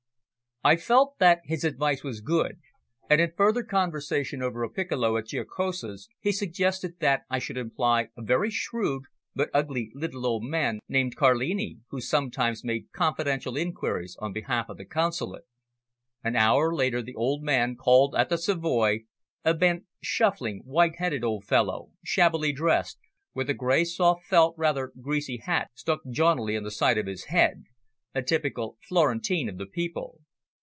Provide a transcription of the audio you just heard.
I felt that his advice was good, and in further conversation over a piccolo at Giacosa's he suggested that I should employ a very shrewd but ugly little old man named Carlini, who sometimes made confidential inquiries on behalf of the Consulate. An hour later the old man called at the Savoy, a bent, shuffling, white headed old fellow, shabbily dressed, with a grey soft felt rather greasy hat stuck jauntily on the side of his head a typical Florentine of the people.